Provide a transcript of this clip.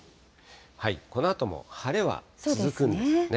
このあとも晴れは続くんですね。